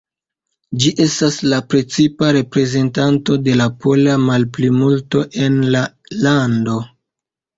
Ĝi estas la precipa reprezentanto de la pola malplimulto en la lando.